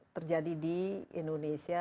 terjadi di indonesia